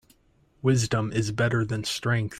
Wisdom is better than strength.